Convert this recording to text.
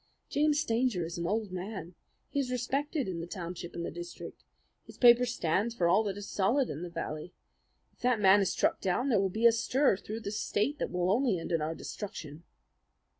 James Stanger is an old man. He is respected in the township and the district. His paper stands for all that is solid in the valley. If that man is struck down, there will be a stir through this state that will only end with our destruction."